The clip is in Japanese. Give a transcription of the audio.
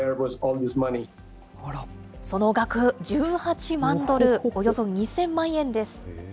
その額１８万ドル、およそ２０００万円です。